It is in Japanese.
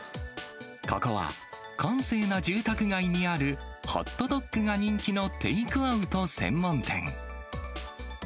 ここは閑静な住宅街にあるホットドッグが人気のテイクアウト専門店。